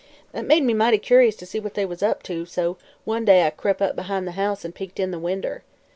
That made me mighty curious to see what they was up to, so one day I crep' up behind the house an' peeked in the winder.